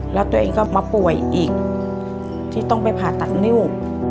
แล้วตัวเองก็มาป่วยอีกที่ต้องไปผ่าตัดนิ้ว